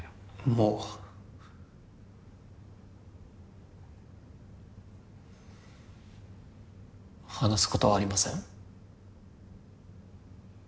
もう話すことはありません